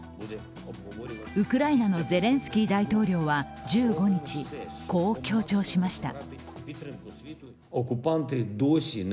ウクライナのゼレンスキー大統領は１５日、こう強調しました。